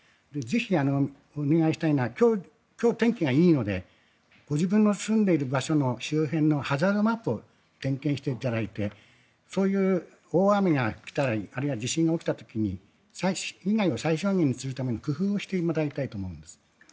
ぜひ、お願いしたいのは今日、天気がいいのでご自分の住んでいる場所の周辺のハザードマップを点検していただいてそういう大雨が来たりあるいは地震が起きた時に被害を最小限にするための工夫をしてもらいたいと思うんです。